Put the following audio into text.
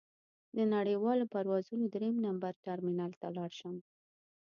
د نړیوالو پروازونو درېیم نمبر ټرمینل ته لاړ شم.